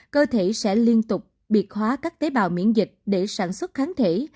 cơ thể sẽ liên tục biệt hóa các tế bào miễn dịch để sản xuất kháng thể